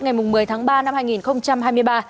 ngày một mươi tháng ba năm hai nghìn hai mươi ba